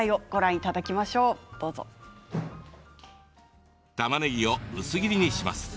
たまねぎを薄切りにします。